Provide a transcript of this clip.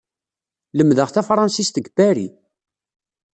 Lemdeɣ tafṛensist deg Paris.